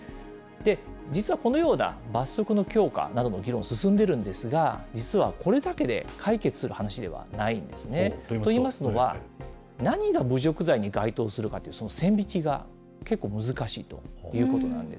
実は、このような罰則の強化などの議論、進んでるんですが、実はこれだけで解決する話ではないんですね。といいますのは、何が侮辱罪に該当するか、その線引きが結構、難しいということなんです。